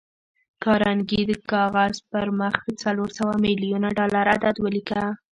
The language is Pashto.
کارنګي د کاغذ پر مخ د څلور سوه ميليونه ډالر عدد وليکه.